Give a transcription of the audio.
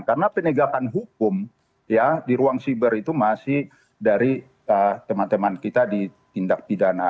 karena penegakan hukum ya di ruang siber itu masih dari teman teman kita di tindak pidana